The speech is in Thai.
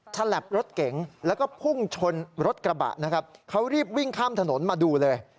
ฉลับรถเก๋งแล้วก็พุ่งชนรถกระบะนะครับเขารีบวิ่งข้ามถนนมาดูเลย